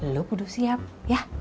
lo kudus siap ya